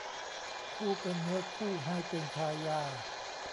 ผู้เป็นเนื้อคู่ให้เป็นชายา